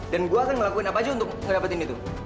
dan gue akan melakukan apa saja untuk mendapatkan itu